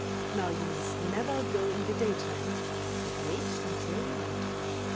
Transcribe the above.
Now you must never go in the daytime, but wait until night."